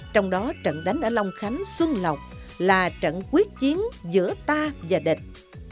trong đó trận đánh ở long khánh xuân lộc là trận quyết chiến giữa ta và địch